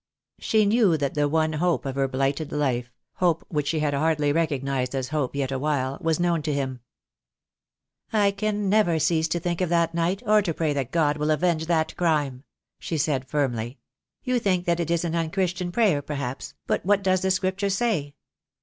She knew that the one hope of her blighted life, hope which she had hardly recognised as hope yet awhile, was known to him. THE DAY WILL COME. 200, "I can never cease to think of that night, or to pray that God will avenge that crime," she said, firmly. "You think that is an unchristian prayer perhaps, but what does the Scripture say?